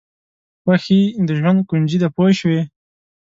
خوښي د ژوند کونجي ده پوه شوې!.